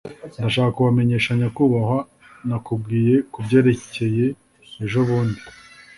ndashaka kubamenyesha nyakubahwa nakubwiye kubyerekeye ejobundi